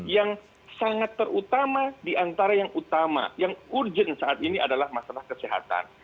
yang sangat terutama diantara yang utama yang urgent saat ini adalah masalah kesehatan